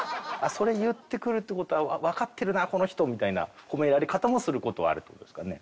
それ言ってくるって事はわかってるなこの人みたいな褒められ方もする事あるって事ですかね。